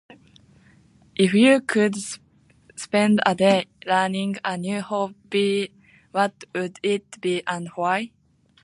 If you could spend a day learning a new hobbie, what would it be and why?